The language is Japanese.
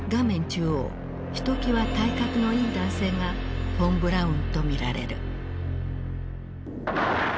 中央ひときわ体格のいい男性がフォン・ブラウンと見られる。